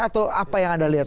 atau apa yang anda lihat